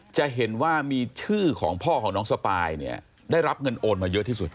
จะเห็นว่ามีชื่อของพ่อของน้องสปายเนี่ยได้รับเงินโอนมาเยอะที่สุด